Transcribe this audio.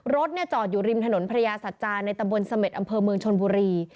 รถจอดอยู่ริมถนนพระยาสัจจาในตำบลเสม็ดอำเภอเมืองชนบุรี